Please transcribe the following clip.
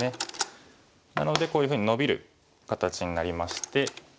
なのでこういうふうにノビる形になりまして。